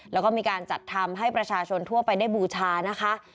แล้วก็มีการจัดทำให้ประชาชนทั่วไปได้บูชานะคะ